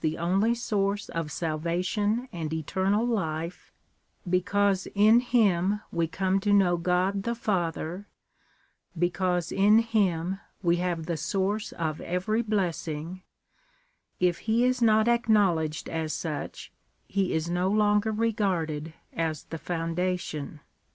tlie only source of salvation and eternal life — because in him we come to know God the Father — because in him we have the source of every blessing ; if he is not acknowledged as such he is no longer regarded as the foundation.